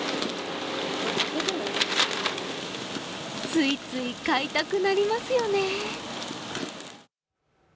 ついつい買いたくなりますよね。